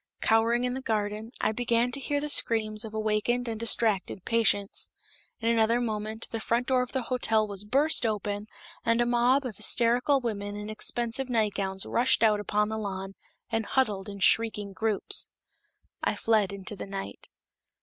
Cowering in the garden, I began to hear the screams of awakened and distracted patients. In another moment, the front door of the hotel was burst open, and a mob of hysterical women in expensive nightgowns rushed out upon the lawn, and huddled in shrieking groups. I fled into the night.